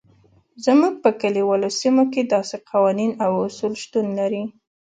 زموږ په کلیوالو سیمو کې داسې قوانین او اصول شتون لري.